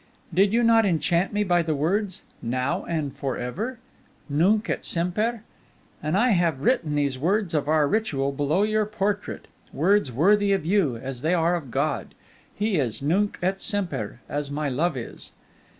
Did you not enchant me by the words, 'Now and for ever?' Nunc et semper! And I have written these words of our ritual below your portrait words worthy of you, as they are of God. He is nunc et semper, as my love is.